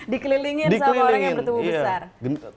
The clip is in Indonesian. dikelilingin sama orang yang bertubuh besar